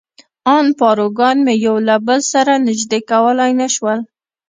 ان پاروګان مې یو له بل سره نژدې کولای نه شول.